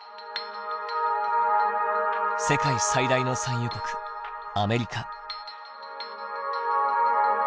世界最大の産油国アメリカ。